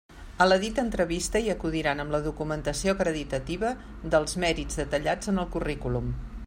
A la dita entrevista hi acudiran amb la documentació acreditativa dels mèrits detallats en el currículum.